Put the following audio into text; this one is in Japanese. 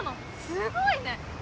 すごいね！